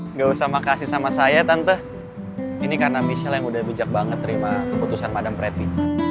nggak usah makasih sama saya tante ini karena michelle yang udah bijak banget terima keputusan padam pretty